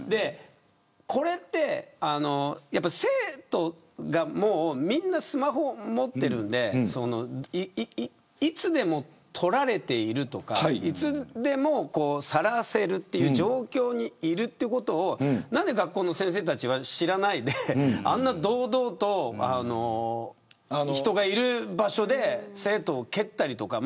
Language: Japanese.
これって生徒がみんなスマホを持っているのでいつでも撮られているいつでもさらせる状況にいるということをなぜ学校の先生たちは知らないで堂々と人のいる場所で生徒を蹴ったりとか。